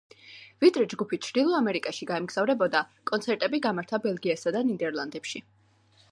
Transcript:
ვიდრე ჯგუფი ჩრდილო ამერიკაში გაემგზავრებოდა, კონცერტები გამართა ბელგიასა და ნიდერლანდებში.